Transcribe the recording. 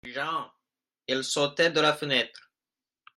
JEAN : Il sautait de la fenêtre.